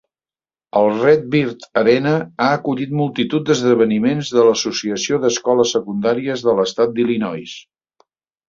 El Redbird Arena ha acollit multitud d'esdeveniments de l'Associació d'Escoles Secundàries de l'Estat d'Illinois.